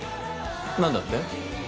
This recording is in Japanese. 何だって？